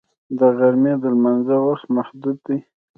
د غرمې د لمانځه وخت محدود دی